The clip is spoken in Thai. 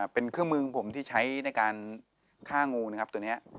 เป็นเครื่องมือของผมที่ใช้ในการฆ่างูนะครับตัวนี้